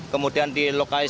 kemudian di lokasi